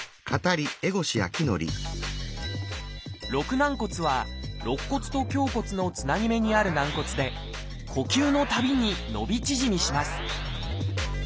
「肋軟骨」は肋骨と胸骨のつなぎ目にある軟骨で呼吸のたびに伸び縮みします